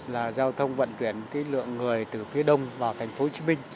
là giao thông vận chuyển lượng người từ phía đông vào tp hcm